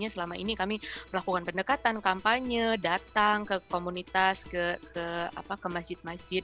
selama ini kami melakukan pendekatan kampanye datang ke komunitas ke masjid masjid